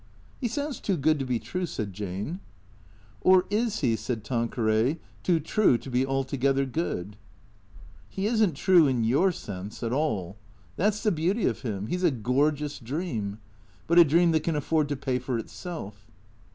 " He sounds too good to be true," said Jane. " Or is he/' said Tanqueray, " too true to be altogether good ?" THE CKEATORS 65 " He is n't true, in your sense, at all. That 's the beauty of him. He 's a gorgeous dream. But a dream that can afford to pay for itself.'